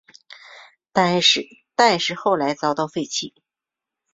但是后来遭到废弃。